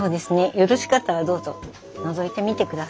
よろしかったらどうぞのぞいてみてください。